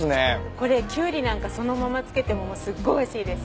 これキュウリなんかそのまま付けてもすっごいおいしいですし。